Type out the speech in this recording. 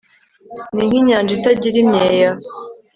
ni nk'inyanja itagira imyeya